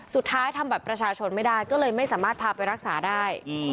ทำบัตรประชาชนไม่ได้ก็เลยไม่สามารถพาไปรักษาได้